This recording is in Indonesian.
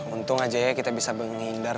untung aja ya kita bisa menghindar